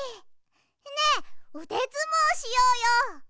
ねえうでずもうしようよ！